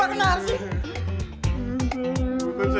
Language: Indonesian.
eh udah berubah kenar sih